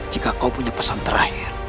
jika kau punya pesan terakhir